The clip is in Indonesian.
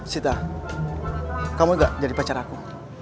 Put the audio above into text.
sita kamu gak jadi pacar aku